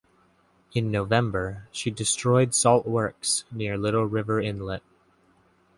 In November, she destroyed salt works near Little River Inlet.